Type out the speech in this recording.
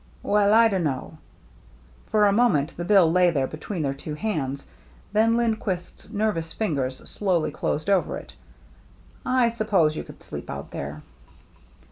" Well, I dunno." For a moment the bill lay there between their two hands, then Lind quist's nervous fingers slowly closed over it. " I suppose you could sleep out there."